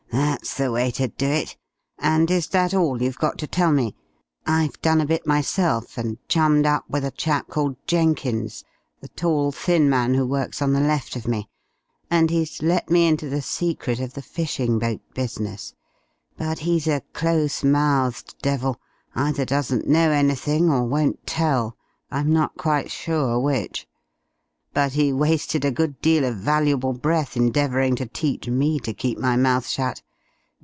"That's the way to do it! And is that all you've got to tell me? I've done a bit myself, and chummed up with a chap called Jenkins, the tall, thin man who works on the left of me, and he's let me into the secret of the fishing boat business. But he's a close mouthed devil. Either doesn't know anything, or won't tell. I'm not quite sure which. But he wasted a good deal of valuable breath endeavouring to teach me to keep my mouth shut.